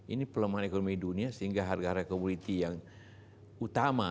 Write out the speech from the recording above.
ini pelemahan ekonomi dunia sehingga harga harga komoditi yang utama